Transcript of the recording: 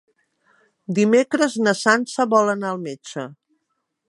Dimecres na Sança vol anar al metge.